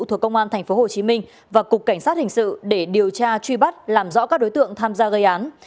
thuộc công an tp hcm và cục cảnh sát hình sự để điều tra truy bắt làm rõ các đối tượng tham gia gây án